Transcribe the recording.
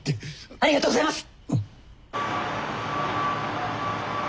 ありがとうございます！